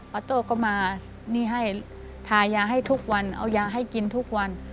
โต้ก็มานี่ให้ทายาให้ทุกวันเอายาให้กินทุกวัน